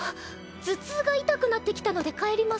頭痛が痛くなってきたので帰ります。